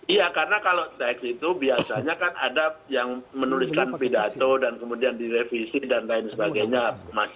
iya karena kalau teks itu biasanya kan ada yang menuliskan pidato dan kemudian direvisi dan lain sebagainya